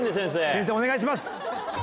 先生お願いします！